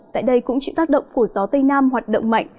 tại đây cũng chịu tác động của gió tây nam hoạt động mạnh